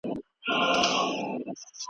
زه د خپلو زده کړو لپاره کار کوم.